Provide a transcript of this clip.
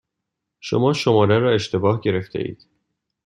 شما شماره را اشتباه گرفتهاید.